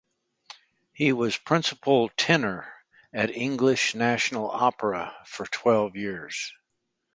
He was principal tenor at English National Opera for twelve years.